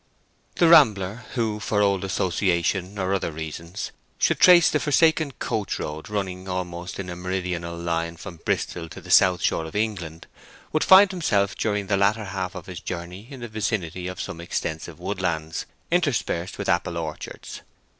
The rambler who, for old association or other reasons, should trace the forsaken coach road running almost in a meridional line from Bristol to the south shore of England, would find himself during the latter half of his journey in the vicinity of some extensive woodlands, interspersed with apple orchards.